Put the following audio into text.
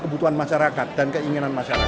kebutuhan masyarakat dan keinginan masyarakat